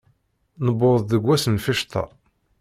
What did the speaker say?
Newweḍ-d deg ass n lficṭa.